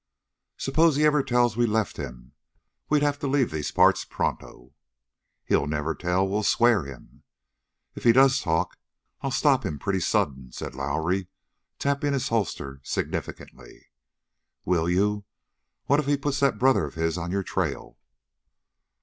"Suppose he ever tells we left him? We'd have to leave these parts pronto!" "He'll never tell. We'll swear him." "If he does talk, I'll stop him pretty sudden," said Lowrie, tapping his holster significantly. "Will you? What if he puts that brother of his on your trail?"